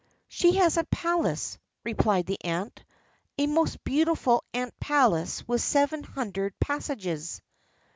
"She has a palace," replied the ant, "a most beautiful ant palace with seven hundred passages."